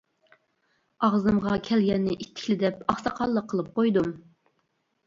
ئاغزىمغا كەلگەننى ئىتتىكلا دەپ، ئاقساقاللىق قىلىپ قويدۇم.